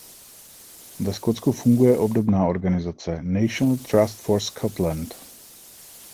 Ve Skotsku funguje obdobná organizace National Trust for Scotland.